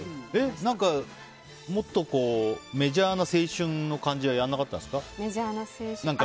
何かもっとメジャーな青春の感じはやらなかったんですか？